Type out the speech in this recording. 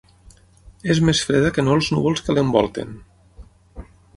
És més freda que no els núvols que l’envolten.